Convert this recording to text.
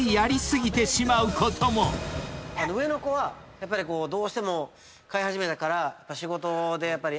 上の子はやっぱりどうしても飼い始めてから。